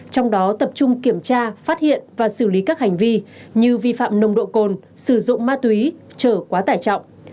trong đó tập trung kiểm tra phát hiện và xử lý các hành vi như vi phạm nồng độ cồn sử dụng ma túy trở quá tải trọng